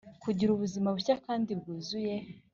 kugira ubuzima bushya kandi bwuzuye